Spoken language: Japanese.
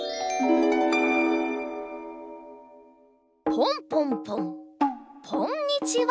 ポンポンポンポンにちは。